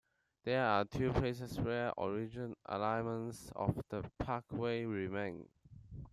There are two places where original alignments of the parkway remain.